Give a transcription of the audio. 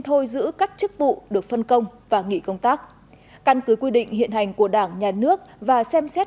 thôi giữ các chức vụ được phân công và nghỉ công tác căn cứ quy định hiện hành của đảng nhà nước và xem xét